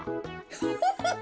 フフフフ。